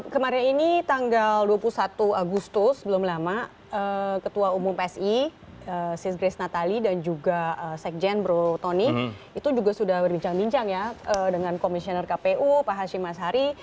kemarin ini tanggal dua puluh satu agustus belum lama ketua umum psi sis grace natali dan juga sekjen bro tony itu juga sudah berbincang bincang ya dengan komisioner kpu pak hashim ashari